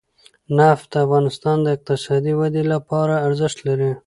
نفت د افغانستان د اقتصادي ودې لپاره ارزښت لري.